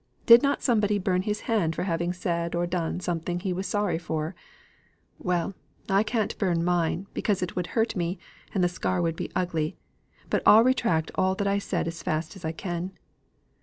Did not somebody burn his hand for having said or done something he was sorry for? Well, I can't burn mine, because it would hurt me, and the scar would be ugly; but I'll retract all I said as fast as I can.